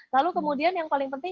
lalu kemudian yang paling penting